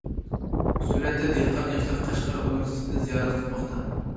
سۈرەتتە: دېھقان ياشلار قەشقەر ئۇنىۋېرسىتېتىنى زىيارەت قىلماقتا.